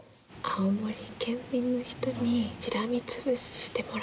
青森県民の人にしらみ潰ししてもらう。